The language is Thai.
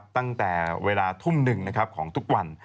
ตั้งแต่เวลาทุ่มหนึ่งของทุกวัน